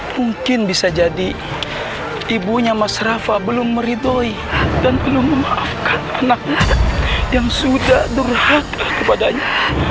mungkin bisa jadi ibunya mas rafa belum meridhoi dan belum memaafkan anaknya yang sudah durhaka kepadanya